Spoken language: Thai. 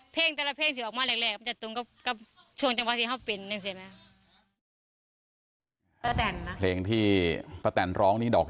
เพลงแต่ละเพลงเสียออกมาแหลก